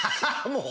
もう。